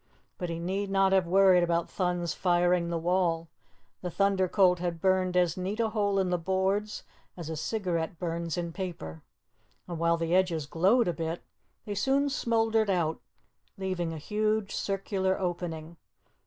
But he need not have worried about Thun's firing the wall. The Thunder Colt had burned as neat a hole in the boards as a cigarette burns in paper, and while the edges glowed a bit, they soon smouldered out, leaving a huge circular opening.